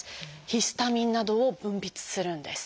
「ヒスタミン」などを分泌するんです。